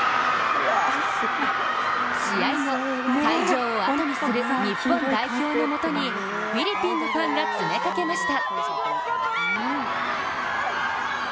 試合後、会場をあとにする日本代表のもとにフィリピンのファンが詰めかけました。